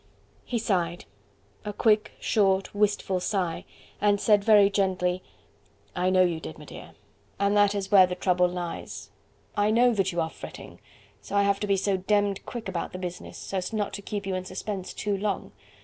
He sighed, a quick, short, wistful sigh, and said very gently: "I know you did, m'dear, and that is where the trouble lies. I know that you are fretting, so I have to be so demmed quick about the business, so as not to keep you in suspense too long....